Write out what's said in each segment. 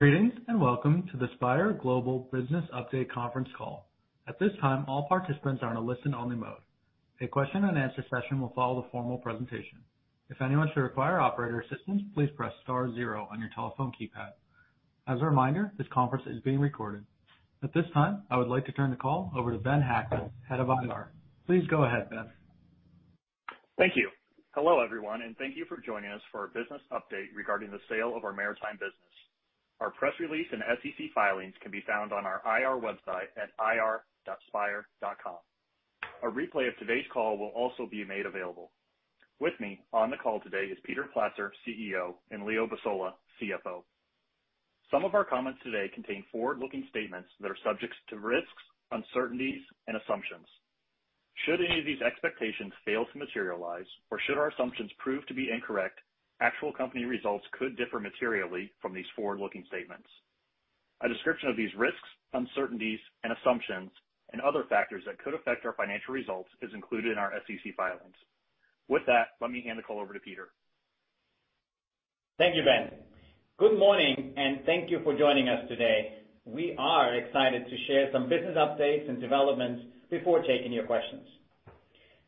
Greetings and welcome to the Spire Global Business Update conference call. At this time, all participants are in a listen-only mode. A question-and-answer session will follow the formal presentation. If anyone should require operator assistance, please press star zero on your telephone keypad. As a reminder, this conference is being recorded. At this time, I would like to turn the call over to Ben Hackman, Head of IR. Please go ahead, Ben. Thank you. Hello, everyone, and thank you for joining us for our business update regarding the sale of our maritime business. Our press release and SEC filings can be found on our IR website at ir.spire.com. A replay of today's call will also be made available. With me on the call today is Peter Platzer, CEO, and Leo Basola, CFO. Some of our comments today contain forward-looking statements that are subject to risks, uncertainties, and assumptions. Should any of these expectations fail to materialize, or should our assumptions prove to be incorrect, actual company results could differ materially from these forward-looking statements. A description of these risks, uncertainties, and assumptions, and other factors that could affect our financial results, is included in our SEC filings. With that, let me hand the call over to Peter. Thank you, Ben. Good morning, and thank you for joining us today. We are excited to share some business updates and developments before taking your questions.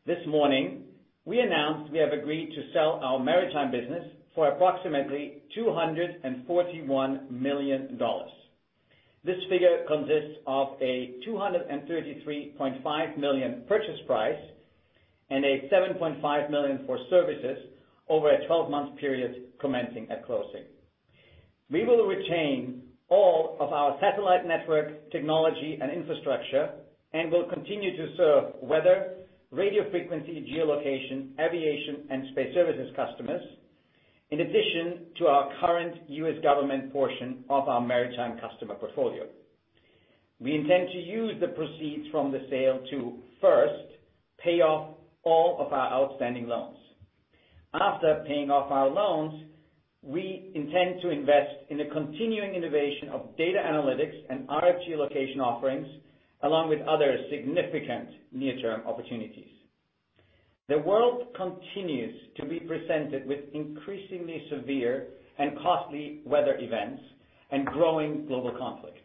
This morning, we announced we have agreed to sell our maritime business for approximately $241 million. This figure consists of a $233.5 million purchase price and a $7.5 million for services over a 12-month period commencing at closing. We will retain all of our satellite network technology and infrastructure and will continue to serve weather, radio frequency, geolocation, aviation, and space services customers, in addition to our current U.S. government portion of our maritime customer portfolio. We intend to use the proceeds from the sale to first pay off all of our outstanding loans. After paying off our loans, we intend to invest in the continuing innovation of data analytics and RF Geolocation offerings, along with other significant near-term opportunities. The world continues to be presented with increasingly severe and costly weather events and growing global conflict.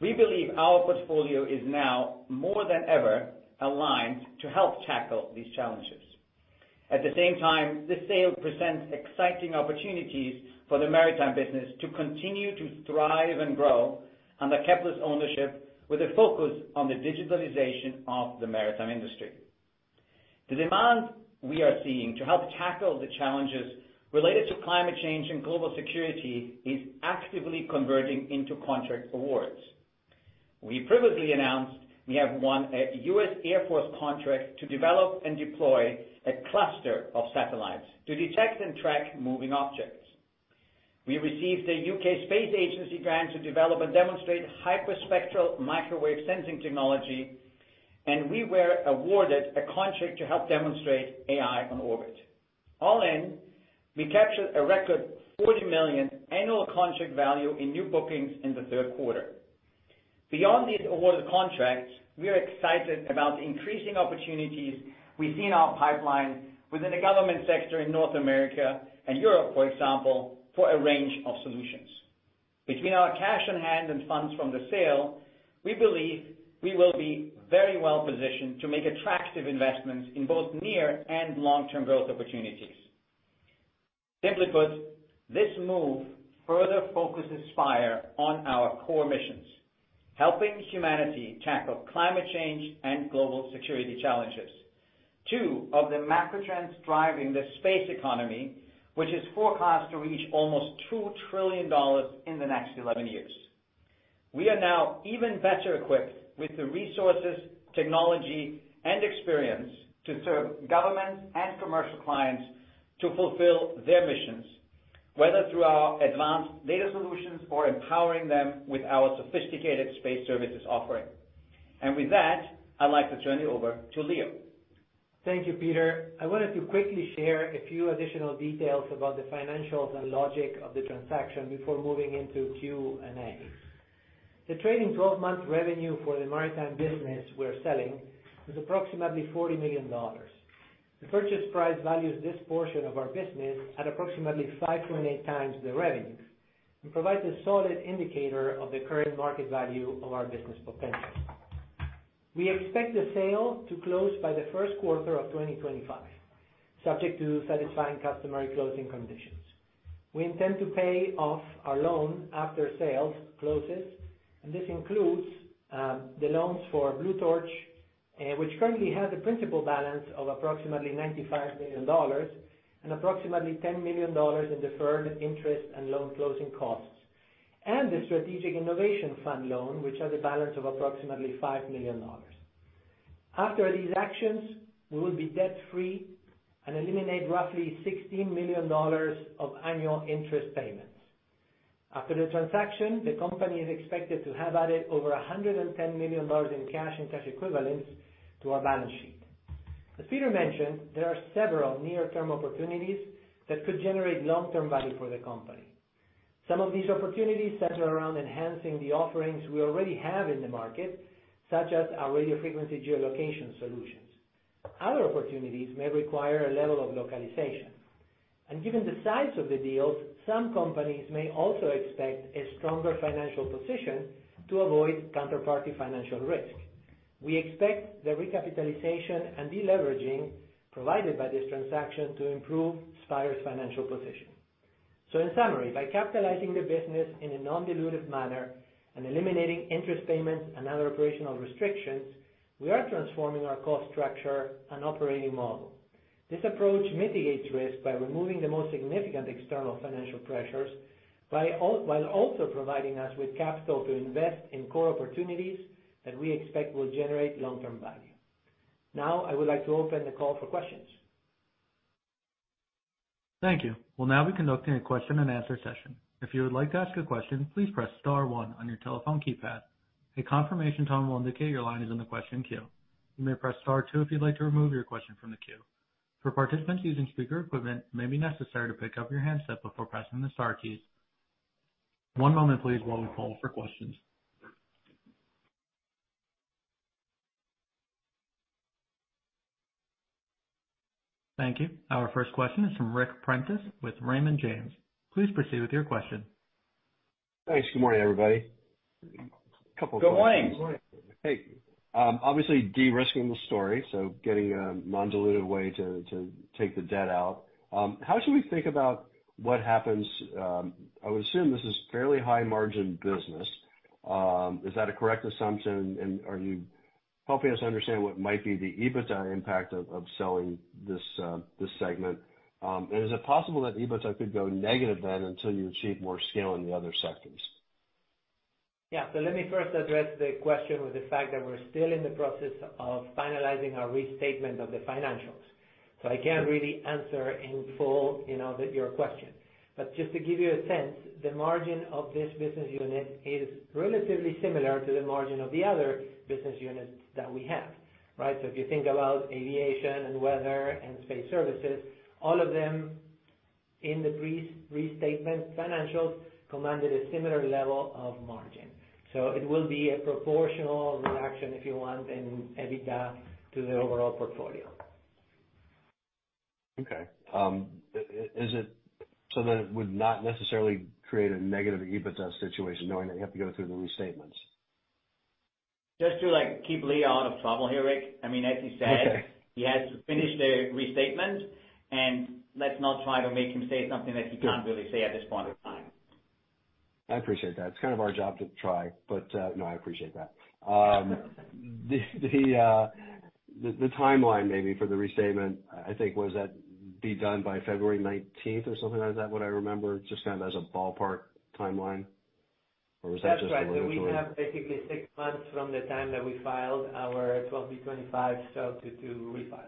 We believe our portfolio is now more than ever aligned to help tackle these challenges. At the same time, the sale presents exciting opportunities for the maritime business to continue to thrive and grow under Kepler's ownership, with a focus on the digitalization of the maritime industry. The demand we are seeing to help tackle the challenges related to climate change and global security is actively converting into contract awards. We previously announced we have won a U.S. Air Force contract to develop and deploy a cluster of satellites to detect and track moving objects. We received a U.K. Space Agency grant to develop and demonstrate hyperspectral microwave sensing technology, and we were awarded a contract to help demonstrate AI on orbit. All in, we captured a record $40 million annual contract value in new bookings in the third quarter. Beyond these awarded contracts, we are excited about the increasing opportunities we see in our pipeline within the government sector in North America and Europe, for example, for a range of solutions. Between our cash on hand and funds from the sale, we believe we will be very well positioned to make attractive investments in both near and long-term growth opportunities. Simply put, this move further focuses Spire on our core missions: helping humanity tackle climate change and global security challenges, two of the macro trends driving the space economy, which is forecast to reach almost $2 trillion in the next 11 years. We are now even better equipped with the resources, technology, and experience to serve governments and commercial clients to fulfill their missions, whether through our advanced data solutions or empowering them with our sophisticated space services offering, and with that, I'd like to turn it over to Leo. Thank you, Peter. I wanted to quickly share a few additional details about the financials and logic of the transaction before moving into Q&A. The trailing 12-month revenue for the maritime business we're selling is approximately $40 million. The purchase price values this portion of our business at approximately 5.8 times the revenue and provides a solid indicator of the current market value of our business potential. We expect the sale to close by the first quarter of 2025, subject to satisfying customer closing conditions. We intend to pay off our loan after sale closes, and this includes the loans for Blue Torch, which currently has a principal balance of approximately $95 million and approximately $10 million in deferred interest and loan closing costs, and the Strategic Innovation Fund loan, which has a balance of approximately $5 million. After these actions, we will be debt-free and eliminate roughly $16 million of annual interest payments. After the transaction, the company is expected to have added over $110 million in cash and cash equivalents to our balance sheet. As Peter mentioned, there are several near-term opportunities that could generate long-term value for the company. Some of these opportunities center around enhancing the offerings we already have in the market, such as our radio frequency geolocation solutions. Other opportunities may require a level of localization. And given the size of the deals, some companies may also expect a stronger financial position to avoid counterparty financial risk. We expect the recapitalization and deleveraging provided by this transaction to improve Spire's financial position. So, in summary, by capitalizing the business in a non-dilutive manner and eliminating interest payments and other operational restrictions, we are transforming our cost structure and operating model. This approach mitigates risk by removing the most significant external financial pressures while also providing us with capital to invest in core opportunities that we expect will generate long-term value. Now, I would like to open the call for questions. Thank you. We'll now be conducting a question-and-answer session. If you would like to ask a question, please press star one on your telephone keypad. A confirmation tone will indicate your line is in the question queue. You may press star two if you'd like to remove your question from the queue. For participants using speaker equipment, it may be necessary to pick up your handset before pressing the star keys. One moment, please, while we poll for questions. Thank you. Our first question is from Ric Prentiss with Raymond James. Please proceed with your question. Thanks. Good morning, everybody. A couple of questions. Good morning. Good morning. Hey. Obviously, de-risking the story, so getting a non-dilutive way to take the debt out. How should we think about what happens? I would assume this is fairly high-margin business. Is that a correct assumption? And are you helping us understand what might be the EBITDA impact of selling this segment? And is it possible that EBITDA could go negative then until you achieve more scale in the other sectors? Yeah. So let me first address the question with the fact that we're still in the process of finalizing our restatement of the financials. So I can't really answer in full your question. But just to give you a sense, the margin of this business unit is relatively similar to the margin of the other business units that we have, right? So if you think about aviation and weather and space services, all of them in the restatement financials commanded a similar level of margin. So it will be a proportional reduction, if you want, in EBITDA to the overall portfolio. Okay. So then it would not necessarily create a negative EBITDA situation knowing that you have to go through the restatements? Just to keep Leo out of trouble here, Rick. I mean, as he said, he has to finish the restatement, and let's not try to make him say something that he can't really say at this point in time. I appreciate that. It's kind of our job to try, but no, I appreciate that. The timeline maybe for the restatement, I think, was that be done by February 19th or something like that, what I remember, just kind of as a ballpark timeline? Or was that just a little short? Absolutely. We have basically six months from the time that we filed our 12b-25 to refile.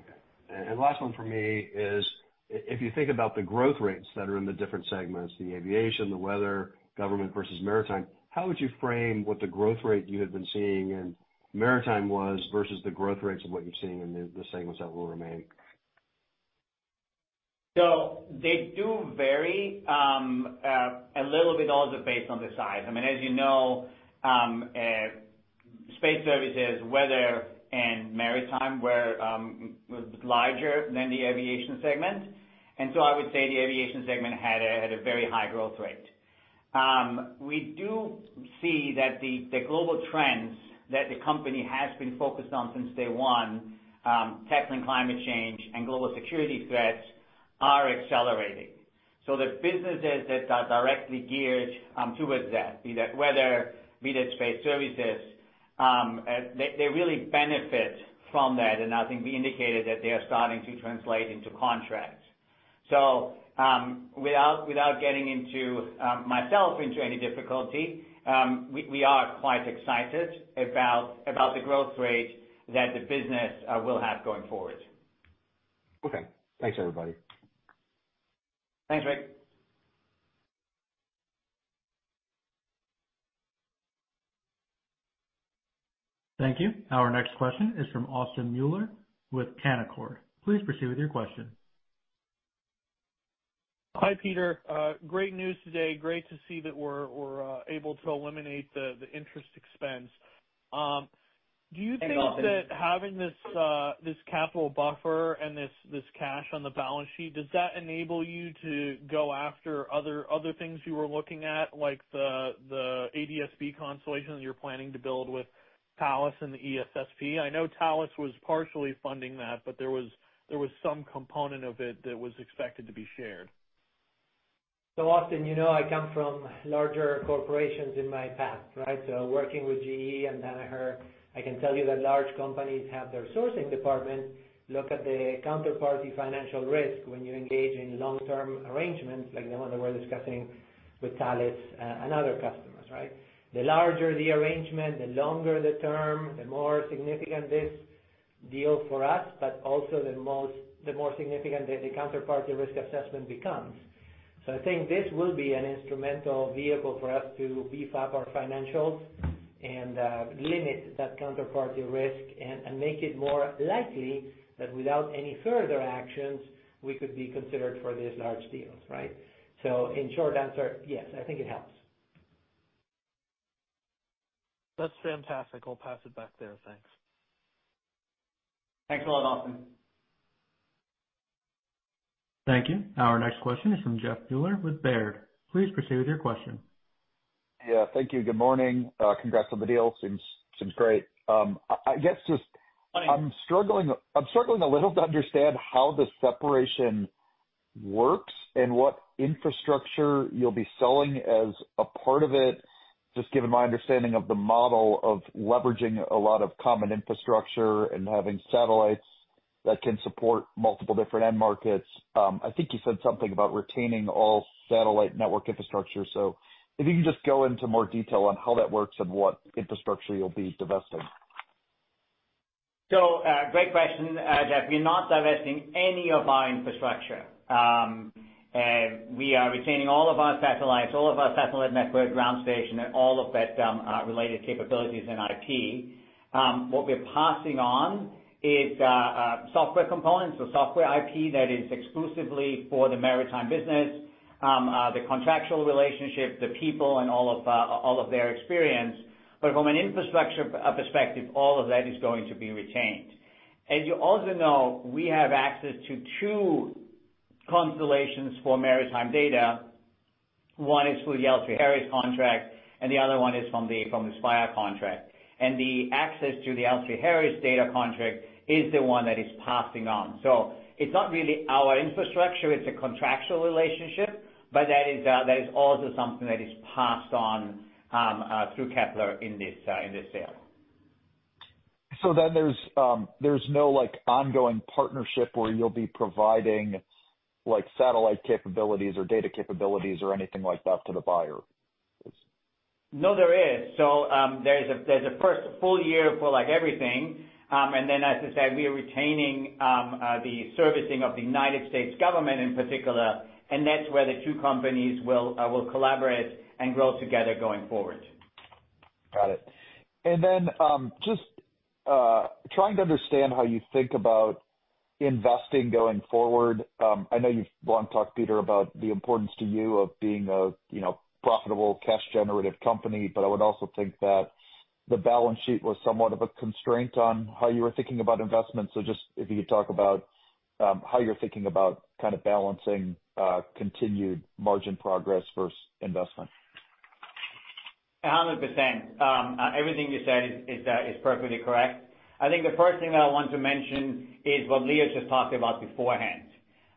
Okay, and last one for me is, if you think about the growth rates that are in the different segments, the aviation, the weather, government versus maritime, how would you frame what the growth rate you had been seeing in maritime was versus the growth rates of what you're seeing in the segments that will remain? They do vary a little bit also based on the size. I mean, as you know, space services, weather, and maritime were larger than the aviation segment. And so I would say the aviation segment had a very high growth rate. We do see that the global trends that the company has been focused on since day one, tackling climate change and global security threats, are accelerating. So the businesses that are directly geared towards that, be that weather, be that space services, they really benefit from that. And I think we indicated that they are starting to translate into contracts. So without getting myself into any difficulty, we are quite excited about the growth rate that the business will have going forward. Okay. Thanks, everybody. Thanks, Rick. Thank you. Our next question is from Austin Moeller with Canaccord. Please proceed with your question. Hi, Peter. Great news today. Great to see that we're able to eliminate the interest expense. Do you think that having this capital buffer and this cash on the balance sheet, does that enable you to go after other things you were looking at, like the ADS-B constellation that you're planning to build with Thales and the ESSP? I know Thales was partially funding that, but there was some component of it that was expected to be shared. So, Austin, you know I come from larger corporations in my path, right? So working with GE and Danaher, I can tell you that large companies have their sourcing department look at the counterparty financial risk when you engage in long-term arrangements like the one that we're discussing with Thales and other customers, right? The larger the arrangement, the longer the term, the more significant this deal for us, but also the more significant the counterparty risk assessment becomes. So I think this will be an instrumental vehicle for us to beef up our financials and limit that counterparty risk and make it more likely that without any further actions, we could be considered for these large deals, right? So in short answer, yes, I think it helps. That's fantastic. I'll pass it back there. Thanks. Thanks a lot, Austin. Thank you. Our next question is from Jeff Meuler with Baird. Please proceed with your question. Yeah. Thank you. Good morning. Congrats on the deal. Seems great. I guess just I'm struggling a little to understand how the separation works and what infrastructure you'll be selling as a part of it, just given my understanding of the model of leveraging a lot of common infrastructure and having satellites that can support multiple different end markets. I think you said something about retaining all satellite network infrastructure. So if you can just go into more detail on how that works and what infrastructure you'll be divesting? So great question, Jeff. We're not divesting any of our infrastructure. We are retaining all of our satellites, all of our satellite network, ground station, and all of that related capabilities and IP. What we're passing on is software components or software IP that is exclusively for the maritime business, the contractual relationship, the people, and all of their experience. But from an infrastructure perspective, all of that is going to be retained. As you also know, we have access to two constellations for maritime data. One is for the L3Harris contract, and the other one is from the Spire contract. And the access to the L3Harris data contract is the one that is passing on. So it's not really our infrastructure. It's a contractual relationship, but that is also something that is passed on through Kepler in this sale. So then there's no ongoing partnership where you'll be providing satellite capabilities or data capabilities or anything like that to the buyer? No, there is. So there's a first full year for everything. And then, as I said, we are retaining the servicing of the United States Government in particular, and that's where the two companies will collaborate and grow together going forward. Got it. And then just trying to understand how you think about investing going forward. I know you've long talked, Peter, about the importance to you of being a profitable cash-generative company, but I would also think that the balance sheet was somewhat of a constraint on how you were thinking about investments. So just if you could talk about how you're thinking about kind of balancing continued margin progress versus investment. 100%. Everything you said is perfectly correct. I think the first thing that I want to mention is what Leo just talked about beforehand.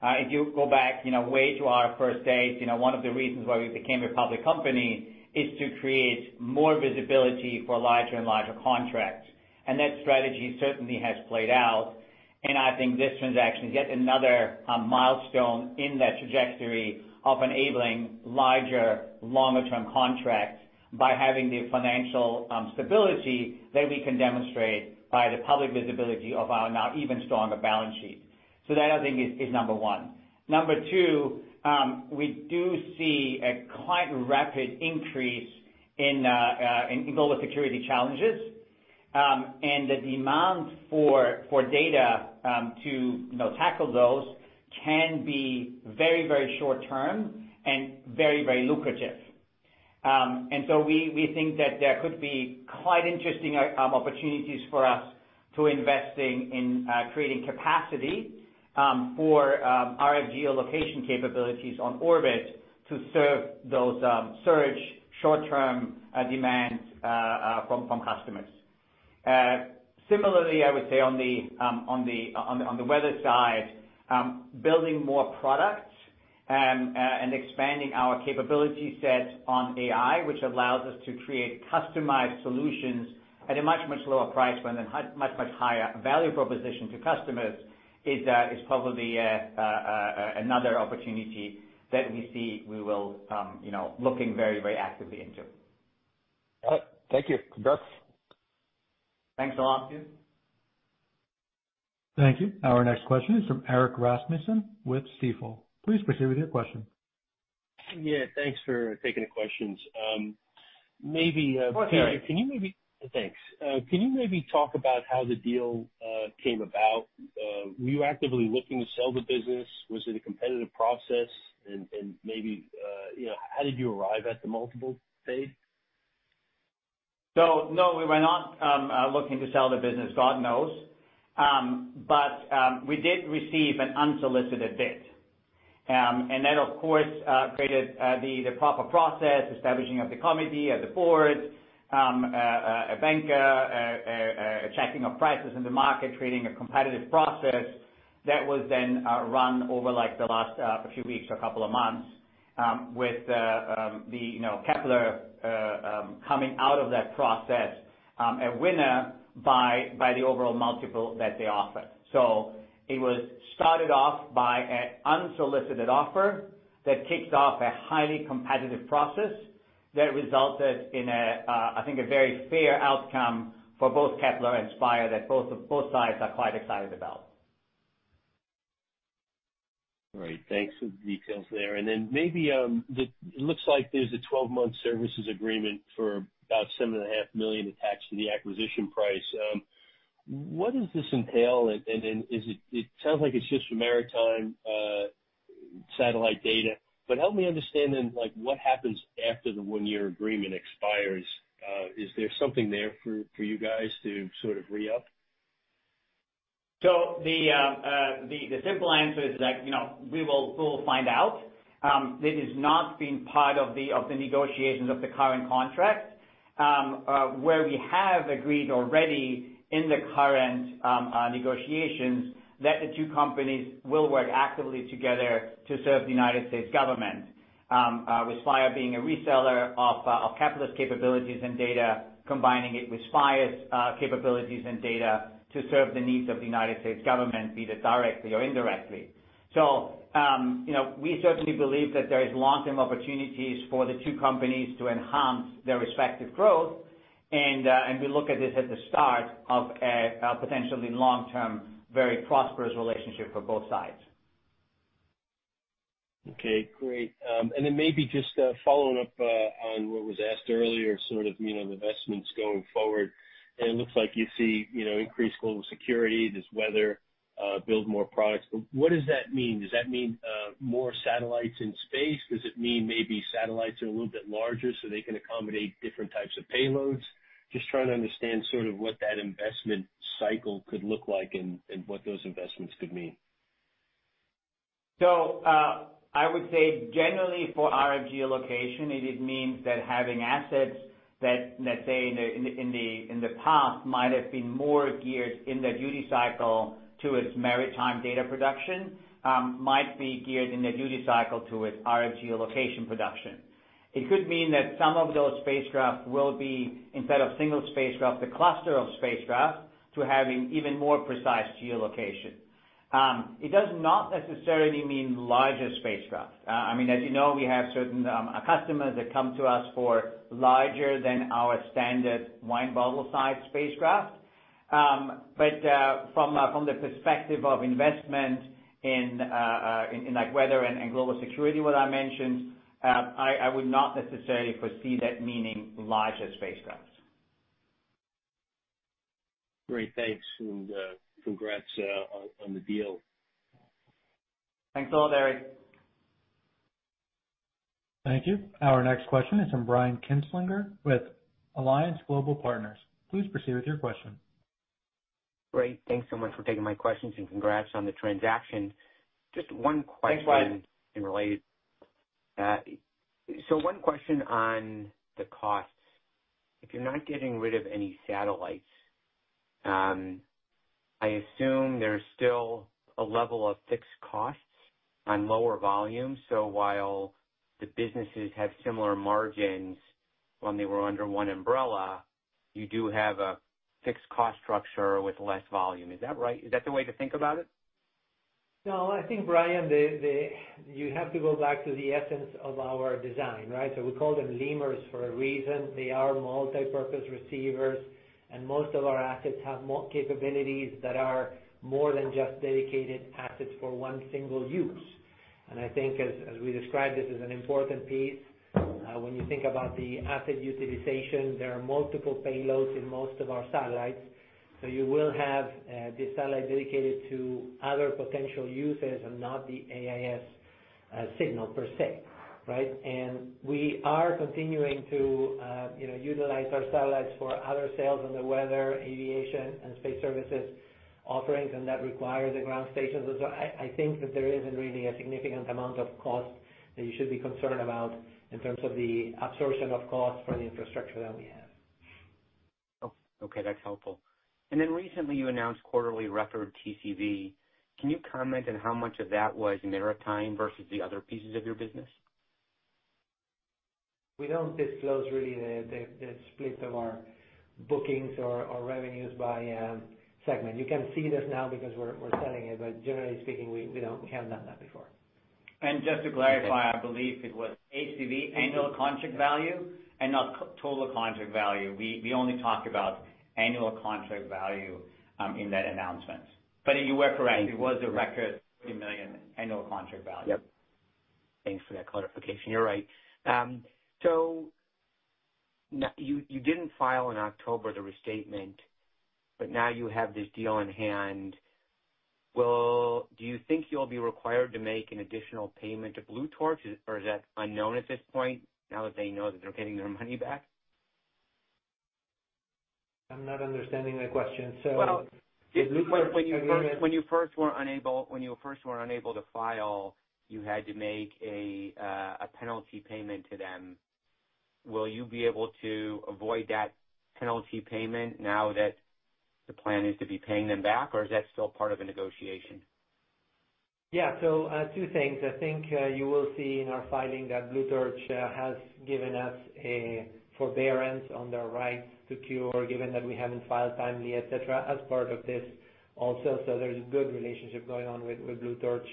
If you go back way back to our first days, one of the reasons why we became a public company is to create more visibility for larger and larger contracts, and that strategy certainly has played out, and I think this transaction is yet another milestone in that trajectory of enabling larger, longer-term contracts by having the financial stability that we can demonstrate by the public visibility of our now even stronger balance sheet, so that, I think, is number one. Number two, we do see a quite rapid increase in global security challenges, and the demand for data to tackle those can be very, very short-term and very, very lucrative. And so we think that there could be quite interesting opportunities for us to invest in creating capacity for our geolocation capabilities on orbit to serve those surge short-term demands from customers. Similarly, I would say on the weather side, building more products and expanding our capability set on AI, which allows us to create customized solutions at a much, much lower price range and a much, much higher value proposition to customers, is probably another opportunity that we see we will be looking very, very actively into. All right. Thank you. Congrats. Thanks a lot. Thank you. Our next question is from Erik Rasmussen with Stifel. Please proceed with your question. Yeah. Thanks for taking the questions. Maybe. Well, Peter. Can you maybe talk about how the deal came about? Were you actively looking to sell the business? Was it a competitive process? And maybe how did you arrive at the multiple paid? So no, we were not looking to sell the business. God knows. But we did receive an unsolicited bid. And that, of course, created the proper process, establishing of the committee, of the board, a banker, a checking of prices in the market, creating a competitive process that was then run over the last few weeks or a couple of months with the Kepler coming out of that process a winner by the overall multiple that they offered. So it was started off by an unsolicited offer that kicked off a highly competitive process that resulted in, I think, a very fair outcome for both Kepler and Spire that both sides are quite excited about. Great. Thanks for the details there. And then maybe it looks like there's a 12-month services agreement for about $7.5 million attached to the acquisition price. What does this entail? And it sounds like it's just for maritime satellite data. But help me understand then what happens after the one-year agreement expires. Is there something there for you guys to sort of re-up? The simple answer is that we will find out. It has not been part of the negotiations of the current contract where we have agreed already in the current negotiations that the two companies will work actively together to serve the United States government, with Spire being a reseller of Kepler's capabilities and data, combining it with Spire's capabilities and data to serve the needs of the United States government, be that directly or indirectly. We certainly believe that there are long-term opportunities for the two companies to enhance their respective growth. We look at this as the start of a potentially long-term, very prosperous relationship for both sides. Okay. Great. And then maybe just following up on what was asked earlier, sort of investments going forward. And it looks like you see increased global security, this weather, build more products. What does that mean? Does that mean more satellites in space? Does it mean maybe satellites are a little bit larger so they can accommodate different types of payloads? Just trying to understand sort of what that investment cycle could look like and what those investments could mean. So I would say generally for RF Geolocation, it means that having assets that, let's say, in the past might have been more geared in the duty cycle to its maritime data production might be geared in the duty cycle to its RFG allocation production. It could mean that some of those spacecraft will be, instead of single spacecraft, the cluster of spacecraft to having even more precise geolocation. It does not necessarily mean larger spacecraft. I mean, as you know, we have certain customers that come to us for larger than our standard wine bottle size spacecraft. But from the perspective of investment in weather and global security, what I mentioned, I would not necessarily foresee that meaning larger spacecraft. Great. Thanks. And congrats on the deal. Thanks a lot, Eric. Thank you. Our next question is from Brian Kinstlinger with Alliance Global Partners. Please proceed with your question. Great. Thanks so much for taking my questions and congrats on the transaction. Just one question. Thanks, Brian. So one question on the costs. If you're not getting rid of any satellites, I assume there's still a level of fixed costs on lower volume. So while the businesses have similar margins when they were under one umbrella, you do have a fixed cost structure with less volume. Is that right? Is that the way to think about it? No. I think, Brian, you have to go back to the essence of our design, right? So we call them lemurs for a reason. They are multipurpose receivers, and most of our assets have capabilities that are more than just dedicated assets for one single use. And I think, as we describe, this is an important piece. When you think about the asset utilization, there are multiple payloads in most of our satellites. So you will have the satellite dedicated to other potential uses and not the AIS signal per se, right? And we are continuing to utilize our satellites for other sales on the weather, aviation, and space services offerings and that require the ground stations. And so I think that there isn't really a significant amount of cost that you should be concerned about in terms of the absorption of cost for the infrastructure that we have. Okay. That's helpful. And then recently, you announced quarterly record TCV. Can you comment on how much of that was maritime versus the other pieces of your business? We don't disclose really the split of our bookings or revenues by segment. You can see this now because we're selling it, but generally speaking, we haven't done that before, and just to clarify, I believe it was ACV, annual contract value, and not total contract value. We only talked about annual contract value in that announcement, but you were correct. It was a record $30 million annual contract value. Yep. Thanks for that clarification. You're right. So you didn't file in October the restatement, but now you have this deal in hand. Well, do you think you'll be required to make an additional payment to Blue Torch, or is that unknown at this point now that they know that they're getting their money back? I'm not understanding the question. So. When you first were unable to file, you had to make a penalty payment to them. Will you be able to avoid that penalty payment now that the plan is to be paying them back, or is that still part of a negotiation? Yeah. So two things. I think you will see in our filing that Blue Torch has given us forbearance on their rights to cure, given that we haven't filed timely, etc., as part of this also. So there's a good relationship going on with Blue Torch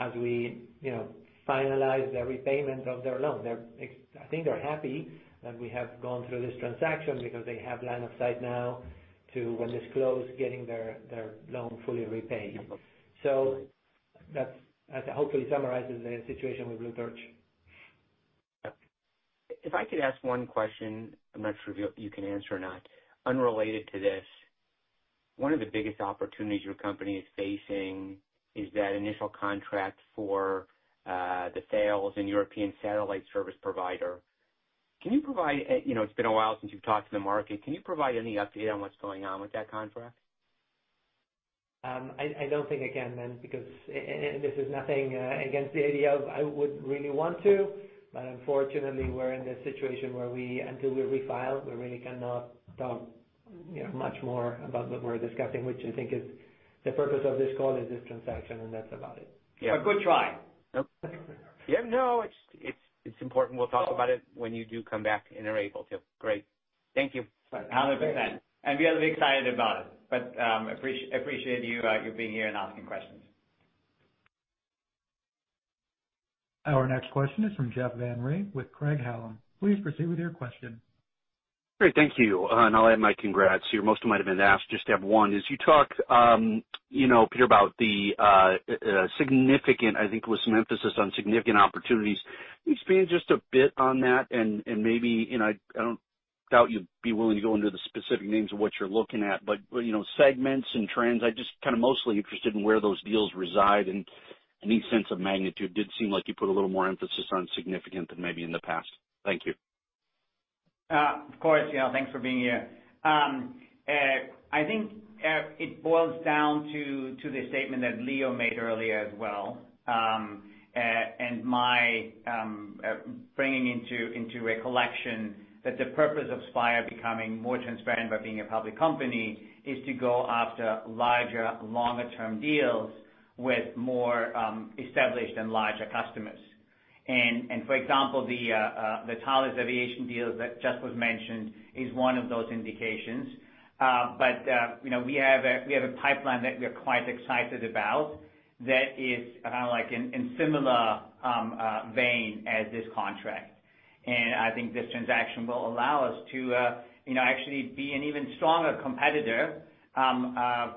as we finalize their repayment of their loan. I think they're happy that we have gone through this transaction because they have line of sight now to, when this closes, getting their loan fully repaid. So that hopefully summarizes the situation with Blue Torch. If I could ask one question, I'm not sure if you can answer or not. Unrelated to this, one of the biggest opportunities your company is facing is that initial contract for the ESSP, the European Satellite Services Provider. Can you provide, it's been a while since you've talked to the market, can you provide any update on what's going on with that contract? I don't think I can, then, because this is nothing against the idea of I would really want to. But unfortunately, we're in this situation where until we refile, we really cannot talk much more about what we're discussing, which I think is the purpose of this call, is this transaction, and that's about it. Yeah. A good try. Yep. Yeah. No. It's important. We'll talk about it when you do come back and are able to. Great. Thank you. 100%. And we are very excited about it. But I appreciate you being here and asking questions. Our next question is from Jeff Van Rhee with Craig-Hallum. Please proceed with your question. Great. Thank you. And I'll add my congrats. You've most likely been asked just to have one. As you talk, Peter, about the significant. I think it was some emphasis on significant opportunities. Expand just a bit on that. And maybe I don't doubt you'd be willing to go into the specific names of what you're looking at. But segments and trends, I'm just kind of mostly interested in where those deals reside and any sense of magnitude. It did seem like you put a little more emphasis on significant than maybe in the past. Thank you. Of course. Thanks for being here. I think it boils down to the statement that Leo made earlier as well, and my bringing into recollection that the purpose of Spire becoming more transparent by being a public company is to go after larger, longer-term deals with more established and larger customers. And for example, the Thales Aviation deal that just was mentioned is one of those indications, but we have a pipeline that we are quite excited about that is kind of in similar vein as this contract, and I think this transaction will allow us to actually be an even stronger competitor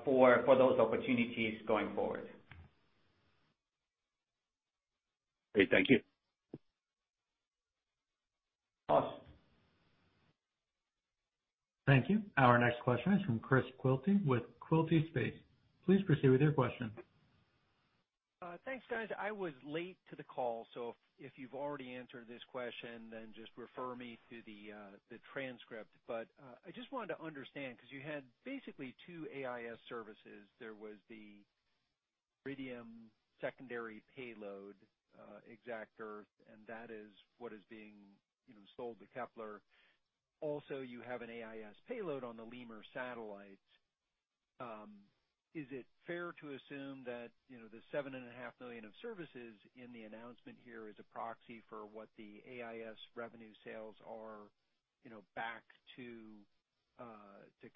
for those opportunities going forward. Great. Thank you. Awesome. Thank you. Our next question is from Chris Quilty with Quilty Space. Please proceed with your question. Thanks, guys. I was late to the call. So if you've already answered this question, then just refer me to the transcript. But I just wanted to understand because you had basically two AIS services. There was the Iridium secondary payload, exactEarth, and that is what is being sold to Kepler. Also, you have an AIS payload on the Lemur satellites. Is it fair to assume that the $7.5 million of services in the announcement here is a proxy for what the AIS revenue sales are back to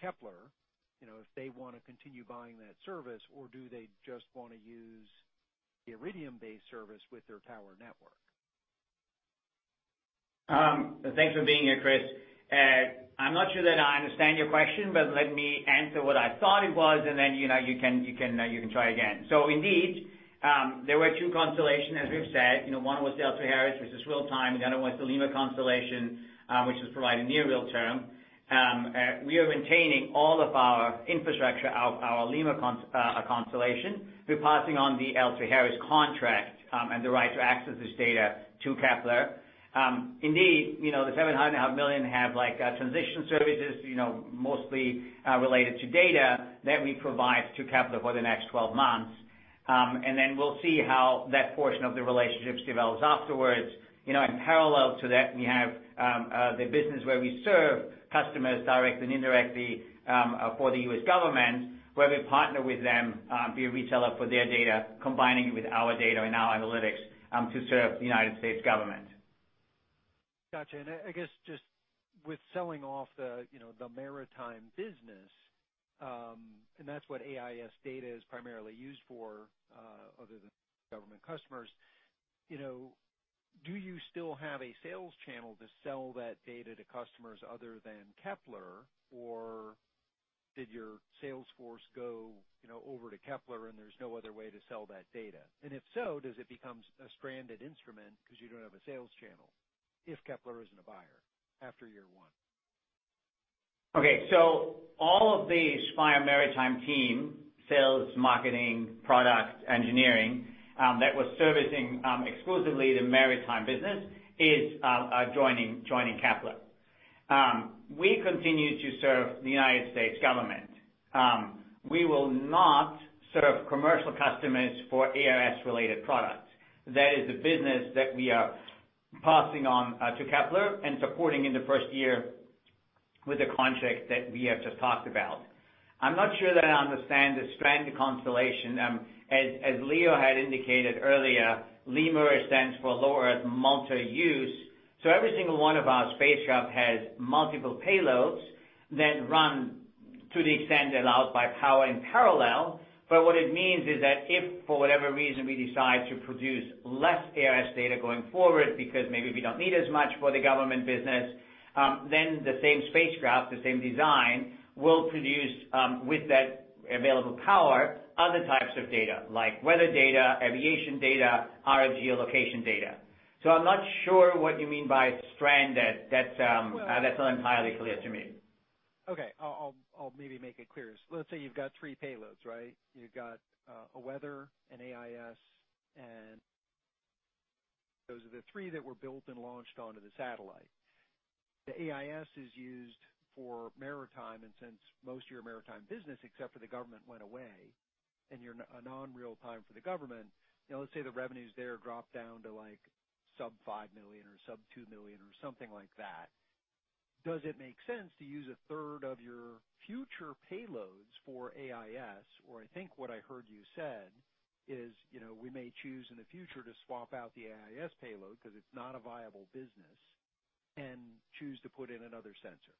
Kepler? If they want to continue buying that service, or do they just want to use the Iridium-based service with their tower network? Thanks for being here, Chris. I'm not sure that I understand your question, but let me answer what I thought it was, and then you can try again. So indeed, there were two constellations, as we've said. One was L3Harris, which is real-time. The other one was the Lemur constellation, which was providing near real-time. We are maintaining all of our infrastructure of our Lemur constellation. We're passing on the L3Harris contract and the right to access this data to Kepler. Indeed, the $7.5 million have transition services, mostly related to data that we provide to Kepler for the next 12 months. And then we'll see how that portion of the relationships develops afterwards. In parallel to that, we have the business where we serve customers directly and indirectly for the U.S. government, where we partner with them via integrator for their data, combining it with our data and our analytics to serve the United States government. Gotcha. And I guess just with selling off the maritime business, and that's what AIS data is primarily used for, other than government customers, do you still have a sales channel to sell that data to customers other than Kepler, or did your sales force go over to Kepler and there's no other way to sell that data? And if so, does it become a stranded instrument because you don't have a sales channel if Kepler isn't a buyer after year one? Okay. So all of the Spire maritime team, sales, marketing, product, engineering that was servicing exclusively the maritime business is joining Kepler. We continue to serve the United States government. We will not serve commercial customers for AIS-related products. That is the business that we are passing on to Kepler and supporting in the first year with the contract that we have just talked about. I'm not sure that I understand the stranded constellation. As Leo had indicated earlier, Lemur stands for low-earth multi-use. So every single one of our spacecraft has multiple payloads that run to the extent allowed by power in parallel. But what it means is that if, for whatever reason, we decide to produce less AIS data going forward because maybe we don't need as much for the government business, then the same spacecraft, the same design, will produce, with that available power, other types of data like weather data, aviation data, RFG geolocation data. So I'm not sure what you mean by stranded. That's not entirely clear to me. Okay. I'll maybe make it clearer. Let's say you've got three payloads, right? You've got a weather, an AIS, and those are the three that were built and launched onto the satellite. The AIS is used for maritime, and since most of your maritime business, except for the government, went away and you're non-real-time for the government, let's say the revenues there drop down to sub-$5 million or sub-$2 million or something like that, does it make sense to use a third of your future payloads for AIS? Or I think what I heard you said is we may choose in the future to swap out the AIS payload because it's not a viable business and choose to put in another sensor.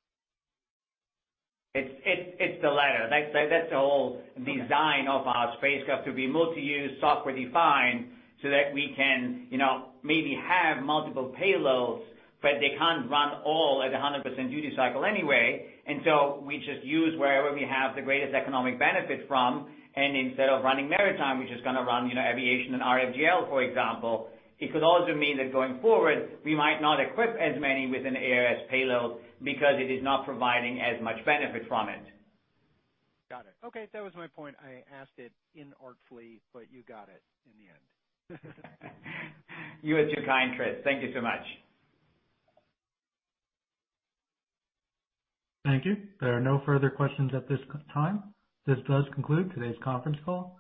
It's the latter. That's the whole design of our spacecraft to be multi-use, software-defined so that we can maybe have multiple payloads, but they can't run all at 100% duty cycle anyway. And so we just use wherever we have the greatest economic benefit from. And instead of running maritime, we're just going to run aviation and RFGL, for example. It could also mean that going forward, we might not equip as many with an AIS payload because it is not providing as much benefit from it. Got it. Okay. That was my point. I asked it inartfully, but you got it in the end. You are too kind, Chris. Thank you so much. Thank you. There are no further questions at this time. This does conclude today's conference call.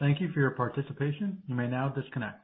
Thank you for your participation. You may now disconnect.